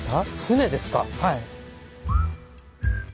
はい。